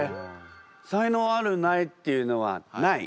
才能あるないっていうのはない？